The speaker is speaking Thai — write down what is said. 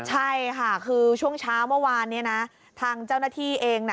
ใช่ค่ะคือช่วงเช้าเมื่อวานนี้นะทางเจ้าหน้าที่เองนะ